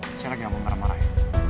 jangan lagi ngomong marah marah ya